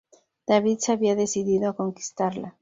David se había decidido a conquistarla.